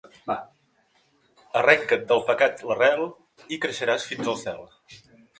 Arrenca't del pecat l'arrel i creixeràs fins al cel.